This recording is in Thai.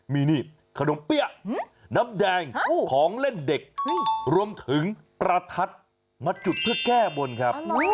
มีนี่ขนมเปี้ยน้ำแดงของเล่นเด็กรวมถึงประทัดมาจุดเพื่อแก้บนครับ